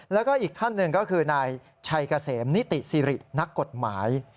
แล้วก็อีกท่านหนึ่งก็คือนายชัยเกษมนิติสิรินักกฎหมาย